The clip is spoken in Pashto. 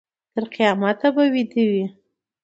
تر قیامته به ویده وي.